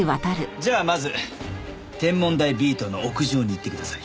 じゃあまず天文台Ｂ棟の屋上に行ってください。